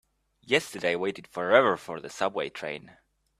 Yesterday I waited forever for the subway train.